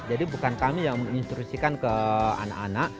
jadi bukan kami yang menginstrusikan ke anak anak